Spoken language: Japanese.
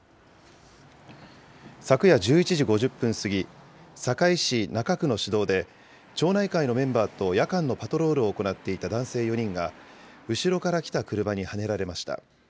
昨夜１１時５０分過ぎ、堺市中区の市道で、町内会のメンバーと夜間のパトロールを行っていた男性４人が、後ろから来た車にはねられました。